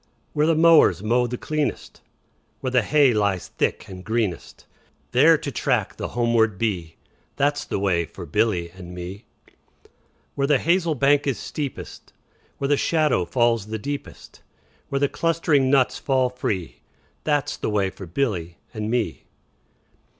Where the mowers mow the cleanest, Where the hay lies thick and greenest, 10 There to track the homeward bee, That 's the way for Billy and me. Where the hazel bank is steepest, Where the shadow falls the deepest, Where the clustering nuts fall free, 15 That 's the way for Billy and me.